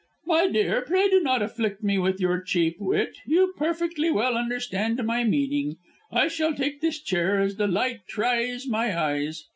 "My dear, pray do not afflict me with your cheap wit. You perfectly well understand my meaning. I shall take this chair, as the light tries my eyes."